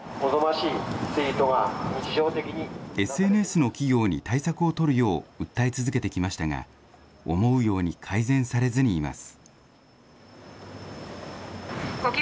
ＳＮＳの企業に対策を取るよう訴え続けてきましたが、思うように改善されずにいます。